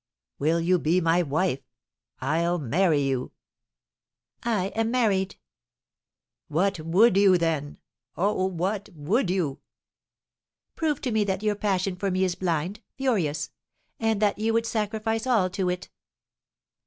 "Will you be my wife? I'll marry you." "I am married." "What would you, then? Oh, what would you?" "Prove to me that your passion for me is blind, furious! And that you would sacrifice all to it."